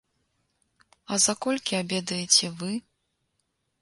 А за колькі абедаеце вы?